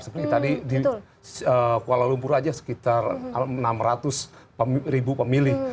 seperti tadi di kuala lumpur saja sekitar enam ratus ribu pemilih